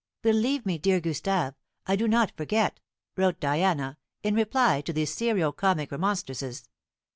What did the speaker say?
"Believe me, dear Gustave, I do not forget," wrote Diana, in reply to these serio comic remonstrances.